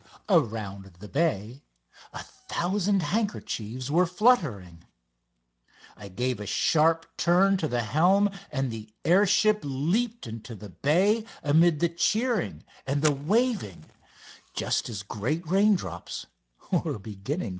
Around the bay a thousand handkerchiefs were fluttering. I gave a sharp turn to the helm, and the air ship leaped into the bay amid the cheering and the waving just as great raindrops were beginning to fall.